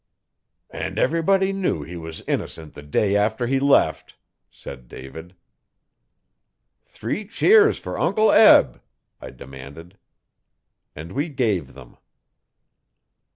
'And everybody knew he was innocent the day after he left,' said David. 'Three cheers for Uncle Eb!' I demanded. And we gave them.